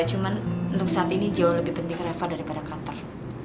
cuma untuk saat ini jauh lebih penting refer daripada kantor